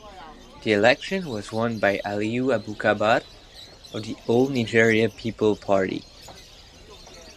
The election was won by Aliyu Abubakar of the All Nigeria Peoples Party.